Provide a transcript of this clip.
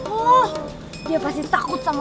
oh dia pasti takut sama